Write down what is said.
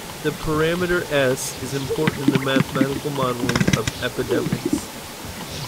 The parameter "S" is important in the mathematical modelling of epidemics.